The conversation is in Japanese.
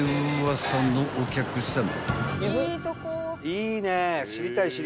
いいね！